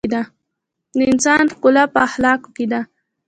د انسان ښکلا په اخلاقو ده.